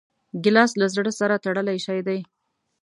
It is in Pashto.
ګیلاس له زړه سره تړلی شی دی.